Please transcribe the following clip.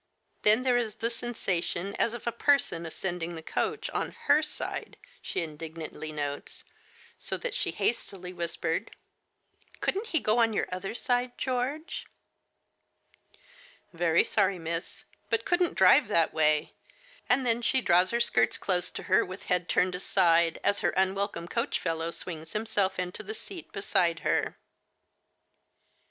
Then there is the sensation as of a person ascending the coach, on her side, she indignantly notes, so that she hastily whispers :" Couldn't he go on your other side, George ?" "Very sorry, miss, but couldn't drive that way," and then she draws her skirts close to her with head turned aside, as her unwelcome Digitized by Google 6 THE FA TE OF FENELLA. coach fellow swings himself into the seat beside her.